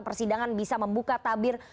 persidangan bisa membuka tabir